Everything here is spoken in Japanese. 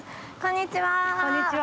こんにちは。